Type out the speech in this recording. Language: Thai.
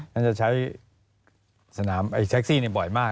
นั่นจะใช้สนามแท็กซี่บ่อยมาก